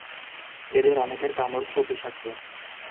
এদের অনেকের কামড় খুব বিষাক্ত।